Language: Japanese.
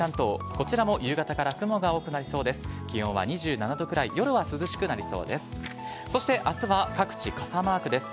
こちらも夕方から雲が多くなりそうです。